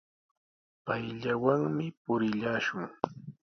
Payllawanmi purillashun.